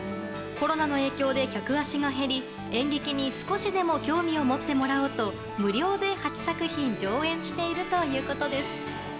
コロナの影響で客足が減り演劇に少しでも興味を持ってもらおうと無料で８作品上演しているということです。